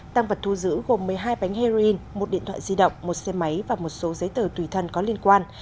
tăng vật thu giữ gồm một mươi hai bánh heroin một điện thoại di động một xe máy và một số giấy tờ tùy thân có liên quan